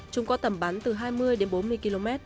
chúng có tầm bắn từ hai mươi đến bốn mươi km